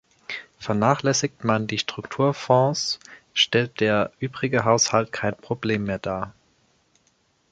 Vernachlässigt man die Strukturfonds, stellt der übrige Haushalt kein Problem mehr dar.